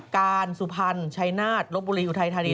การสุพรรณชัยนาฏลบบุรีอุทัยธานี